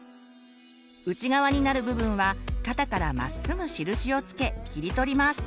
内側になる部分は肩からまっすぐ印を付け切り取ります。